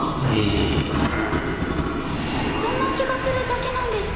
そんな気がするだけなんですけど。